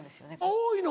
多いの？